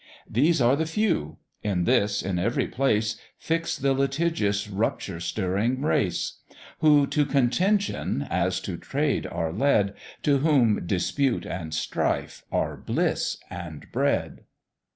These are the few: in this, in every place, Fix the litigious rupture stirring race; Who to contention as to trade are led, To whom dispute and strife are bliss and bread.